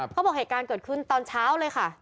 เหตุการณ์เกิดขึ้นตอนเช้าเลยค่ะ